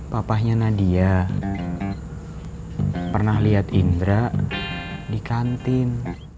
papahnya nadia pernah lihat indra di kantin